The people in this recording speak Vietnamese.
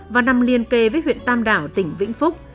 và nằm liên kề với huyện tam đảo tỉnh vĩnh phúc